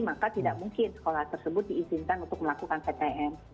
maka tidak mungkin sekolah tersebut diizinkan untuk melakukan ptm